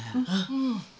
うん。